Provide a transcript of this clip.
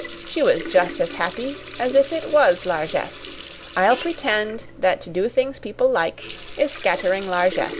She was just as happy as if it was largess. I'll pretend that to do things people like is scattering largess.